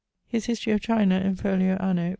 His History of China, in fol., anno ...